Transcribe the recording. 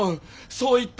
そう言った。